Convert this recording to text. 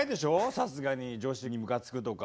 さすがに女子にムカつくとか。